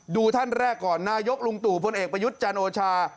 ท่านแรกก่อนนายกลุงตู่พลเอกประยุทธ์จันโอชา